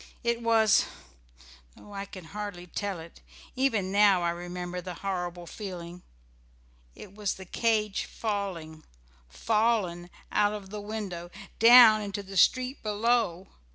It was no I can hardly tell it, even now I remember the horrible feeling it was the cage falling, fallen out of the window, down into the street below.